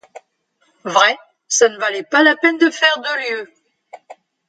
Vrai, ça ne valait pas la peine de faire deux lieues.